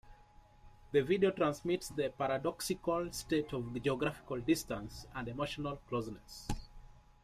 The video transmits the 'paradoxical state of geographical distance and emotional closeness.